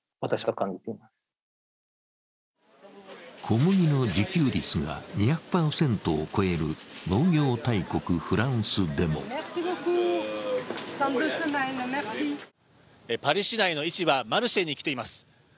小麦の自給率が２００％を超える農業大国、フランスでもパリ市内の市場、マルシェに来ています。